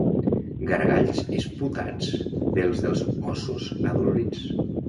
Gargalls esputats pels dels ossos adolorits.